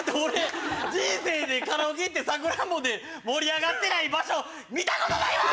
俺人生でカラオケ行って『さくらんぼ』で盛り上がってない場所見た事ないわ！